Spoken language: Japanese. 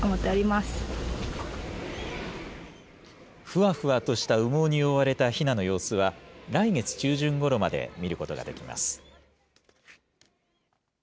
ふわふわとした羽毛に覆われたひなの様子は、来月中旬ごろまで見ることができます。